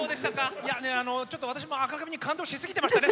いや、ちょっと私も紅組に感動しすぎていましたね。